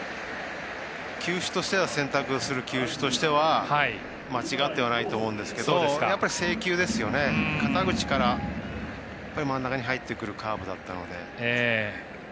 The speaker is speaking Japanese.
選択する球種としては間違ってはないと思うんですが制球ですよね、肩口からやっぱり真ん中に入ってくるカーブだったので。